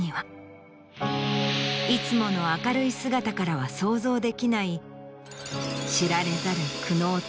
いつもの明るい姿からは想像できない知られざる。